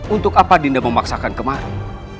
untuk apa dinda memaksakan kemarin